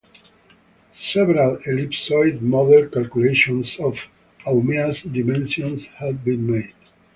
Several ellipsoid-model calculations of Haumea's dimensions have been made.